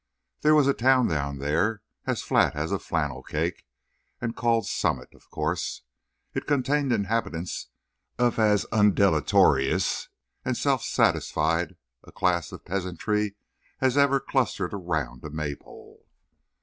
There was a town down there, as flat as a flannel cake, and called Summit, of course. It contained inhabitants of as undeleterious and self satisfied a class of peasantry as ever clustered around a Maypole.